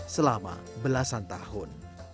selama belasan tahun